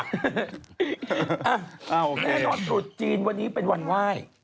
ได้ถดสุดจีนวันนี้เป็นวันไหว้